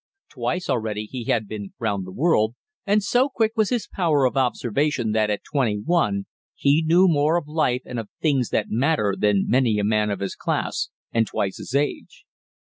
Twice already he had been round the world, and so quick was his power of observation that at twenty one he knew more of life and of things that matter than many a man of his class and twice his age.